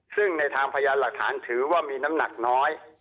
ซึ่งในทางพยานหลักฐานถือว่ามีน้ำหนักน้อย